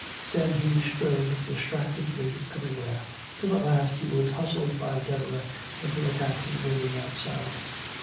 Then he strode distractedly everywhere, till at last he was hustled by Deborah into a taxi waiting outside.